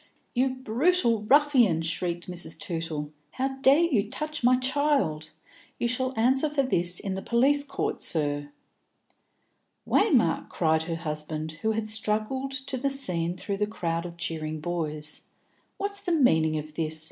"You brutal ruffian!" shrieked Mrs. Tootle. "How dare you touch my child? You shall answer for this in the police court, sir." "Waymark," cried her husband, who had struggled to the scene through the crowd of cheering boys, "what's the meaning of this?